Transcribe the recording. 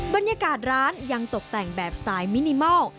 บรรยากาศร้านยังตกแต่งแบบสไตล์มินิมอล